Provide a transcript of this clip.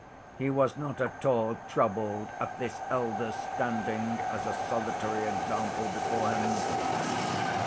He was not at all troubled at this elder's standing as a solitary example before him.